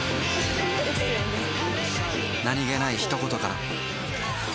何気ない一言から